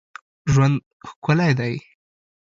ژوند ښکلی دی.